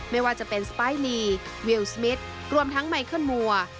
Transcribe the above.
ไม่ว่าจะเป็นสปายลีวิวสมิทรวมทั้งไมเคิลมัว